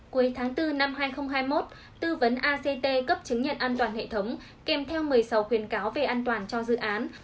cuối tháng bốn năm hai nghìn hai mươi một tư vấn act cấp chứng nhận an toàn hệ thống kèm theo một mươi sáu khuyến cáo về an toàn cho dự án